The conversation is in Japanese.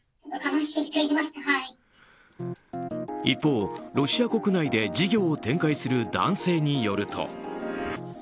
一方、ロシア国内で事業を展開する男性によると。